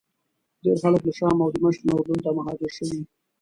ډېر خلک له شام او دمشق نه اردن ته مهاجر شوي.